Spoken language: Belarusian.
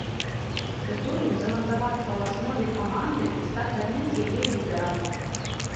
Здолеў замацавацца ў аснове каманды і стаць адным з яе лідараў.